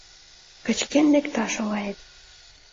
Кычкен лекташ оҥает.